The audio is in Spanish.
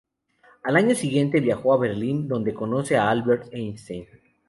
Al año siguiente viajó a Berlín donde conoce a Albert Einstein.